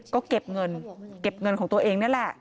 ก็เก็บเงินเก็บเงินของตัวเองนี่แหละ